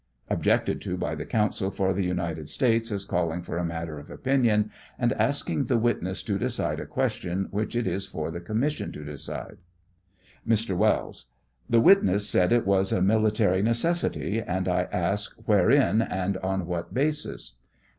[Objected to by counsel for the United States as call ing for a matter of opinion, and asking the witness to decide a question which it is for the Commission to decide.] Mr. Wells : The witness said it was a military necessity, and I ask wherein and on what basis